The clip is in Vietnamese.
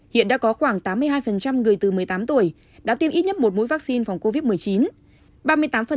hiện đã có khoảng tám mươi hai người từ một mươi tám tuổi đã tiêm ít nhất một mũi vaccine phòng covid một mươi chín